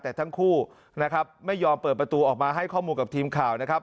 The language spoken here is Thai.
แต่ทั้งคู่ไม่ยอมเปิดประตูออกมาให้ข้อมูลกับทีมข่าว